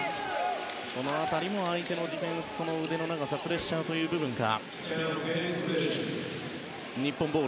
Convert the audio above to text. この辺りも相手のその腕の長さプレッシャーという部分か。